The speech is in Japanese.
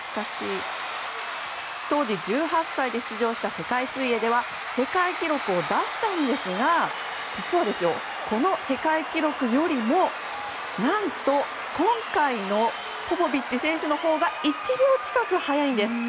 当時１８歳で出場した世界水泳では世界記録を出したんですが実は、この世界記録よりも何と今回のポポビッチ選手のほうが１秒近く速いんです。